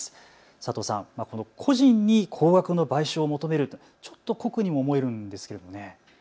佐藤さん、個人に高額の賠償を求めるというのはちょっと酷にも思えるんですよね。